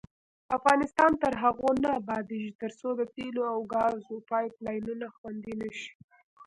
افغانستان تر هغو نه ابادیږي، ترڅو د تیلو او ګازو پایپ لاینونه خوندي نشي.